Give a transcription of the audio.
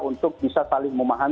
untuk bisa saling memahami